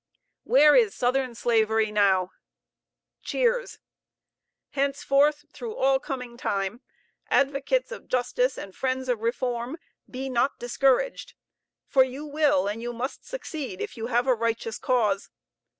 Where is Southern Slavery now? (Cheers.) Henceforth, through all coming time, advocates of justice and friends of reform, be not discouraged; for you will, and you must succeed, if you have a righteous cause.